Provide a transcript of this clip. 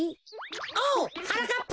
おうはなかっぱ！